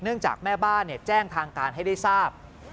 จากแม่บ้านแจ้งทางการให้ได้ทราบ